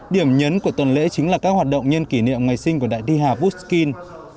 điểm nhấn của tuần lễ chính là các hoạt động nhân kỷ niệm ngày sinh của đại thi hà vushkin